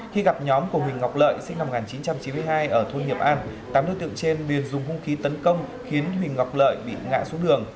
khi gặp nhóm của huỳnh ngọc lợi sinh năm một nghìn chín trăm chín mươi hai ở thôn hiệp an tám đối tượng trên liền dùng hung khí tấn công khiến huỳnh ngọc lợi bị ngã xuống đường